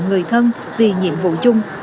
người thân vì nhiệm vụ chung